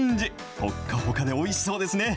ほっかほかでおいしそうですね。